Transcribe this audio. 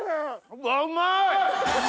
うわうまい！